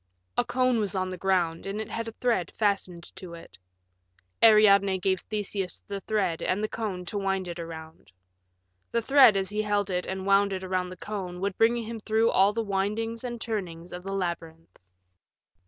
A cone was on the ground and it had a thread fastened to it. Ariadne gave Theseus the thread and the cone to wind it around. The thread as he held it and wound it around the cone would bring him through all the windings and turnings of the labyrinth.